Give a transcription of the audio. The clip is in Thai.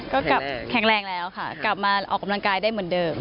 ก็กลับแข็งแรงแล้วค่ะกลับมาออกกำลังกายได้เหมือนเดิม